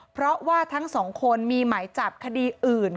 เพราะว่าทั้งสองคนมีหมายจับคดีอื่น